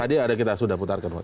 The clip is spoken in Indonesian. tadi ada kita sudah putarkan